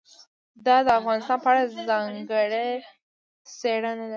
دا د افغانستان په اړه ځانګړې څېړنه ده.